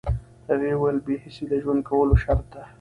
هغه وویل بې حسي د ژوند کولو لپاره شرط ده